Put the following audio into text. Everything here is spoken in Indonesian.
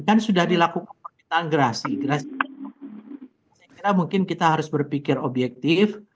kan sudah dilakukan permintaan gerasi gerasi saya kira mungkin kita harus berpikir objektif